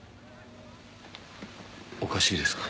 おかしいですか？